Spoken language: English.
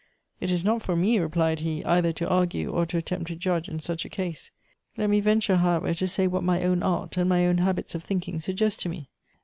" It is not for me,'' replied he, " either to argue, or to attempt to judge in such a case. Let me venture, how ever, to say what my own art and my own habits of think ing suggest to me.